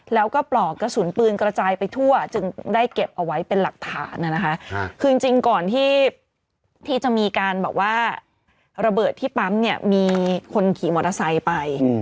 แล้วก็ปลอกกระสุนปืนกระจายไปทั่วจึงได้เก็บเอาไว้เป็นหลักฐานนะคะคือจริงก่อนที่จะมีการแบบว่าระเบิดที่ปั๊มเนี่ยมีคนขี่มอเตอร์ไซค์ไป